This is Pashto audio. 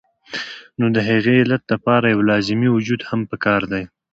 نو د هغې علت د پاره يو لازمي وجود هم پکار دے